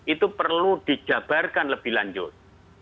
itu perlu dijabarkan lebih lanjut